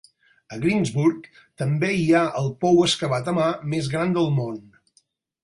A Greensburg també hi ha el pou excavat a mà més gran del món.